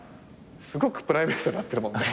すごくプライベートで会ってるもんね。